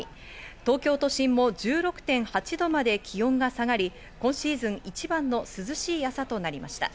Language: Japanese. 東京都心も１６．８度まで気温が下がり、今シーズン一番の涼しい朝となりました。